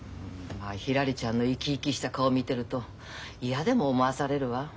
まあひらりちゃんの生き生きした顔見てると嫌でも思わされるわ。